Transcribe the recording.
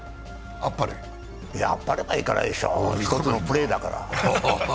あっぱれはいかないでしょう、１つのプレーだから。